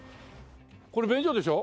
これ便所でしょ？